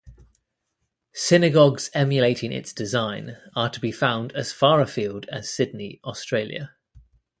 Synagogues emulating its design are to be found as far afield as Sydney, Australia.